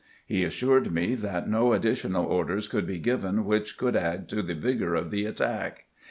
He assured me that no ad ditional orders could be given which could add to the vigor of the attack.